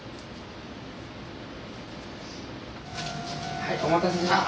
はいお待たせしました。